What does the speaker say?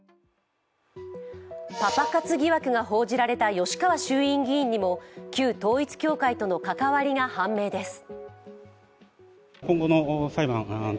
パパ活疑惑が報じられた吉川衆院議員にも旧統一教会との関わりが判明です。